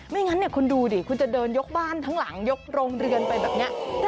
งั้นคุณดูดิคุณจะเดินยกบ้านทั้งหลังยกโรงเรือนไปแบบนี้